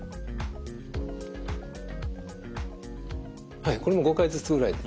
はいこれも５回ずつぐらいで。